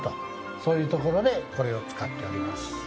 そういうところでこれを使っております。